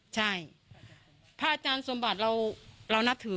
ใช่พระอาจารย์สมบัติเรานับถือ